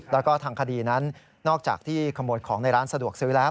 และทางคดีนั้นนอกจากขโมดของในร้านสะดวกซื้อ